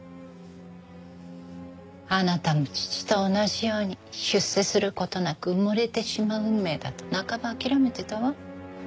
あなたも父と同じように出世する事なく埋もれてしまう運命だと半ば諦めてたわ。